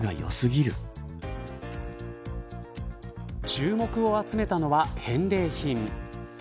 注目を集めたのは返礼品。